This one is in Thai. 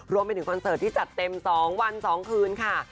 รวมไปถึงคอนเสิร์ตที่จัดเต็มสองวันสองคืนค่ะ